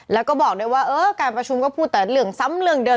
แล้วก็บอกด้วยว่าเออการประชุมก็พูดแต่เรื่องซ้ำเรื่องเดิม